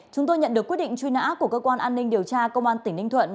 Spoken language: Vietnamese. chúng tôi nhận được quyết định truy nã của cơ quan an ninh điều tra công an tỉnh ninh thuận